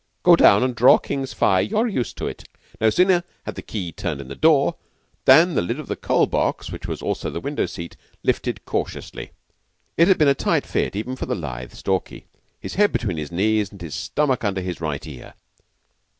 Go down and draw King's fire. You're used to it." No sooner had the key turned in the door than the lid of the coal box, which was also the window seat, lifted cautiously. It had been a tight fit, even for the lithe Stalky, his head between his knees, and his stomach under his right ear.